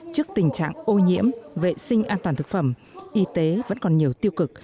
trước tình trạng ô nhiễm vệ sinh an toàn thực phẩm y tế vẫn còn nhiều tiêu cực